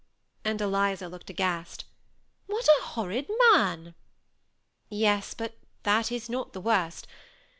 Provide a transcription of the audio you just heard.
and Eliza looked aghast "What a horrid man!" " Yes, but that is not the worst.